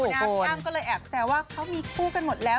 พี่อ้ำก็เลยแอบแซวว่าเขามีคู่กันหมดแล้ว